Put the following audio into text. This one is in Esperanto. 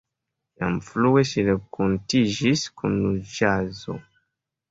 Jam frue ŝi renkontiĝis kun ĵazo.